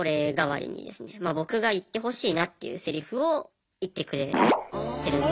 僕が言ってほしいなっていうセリフを言ってくれてるんですよ。